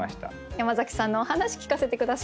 山崎さんのお話聞かせて下さい。